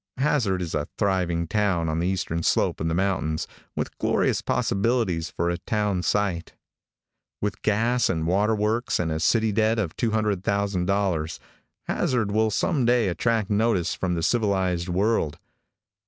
Hazzard is a thriving town on the eastern slope of the mountains, with glorious possibilities for a town site. With gas and waterworks and a city debt of $200,000, Hazzard will some day attract notice from the civilized world.